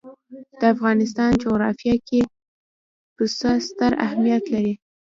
د افغانستان جغرافیه کې پسه ستر اهمیت لري.